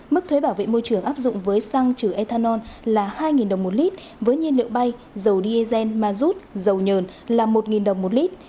mức thuế bảo vệ môi trường áp dụng với xăng trừ ethanol là hai đồng một lít với nhiên liệu bay dầu diesel mazut dầu nhờn là một đồng một lít